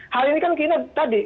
hal ini kan kita tadi